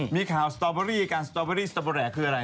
มีข่าวสตรอเบอร์รี่การสตรอเบอร์รี่สตรอเบอร์แหละคืออะไร